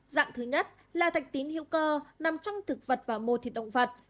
dạng thứ nhất là thạch tín hữu cơ nằm trong thực vật và mô thịt động vật